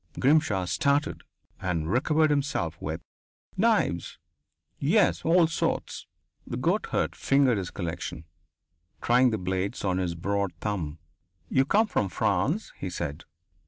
Grimshaw started and recovered himself with: "Knives. Yes. All sorts." The goatherd fingered his collection, trying the blades on his broad thumb. "You come from France," he said.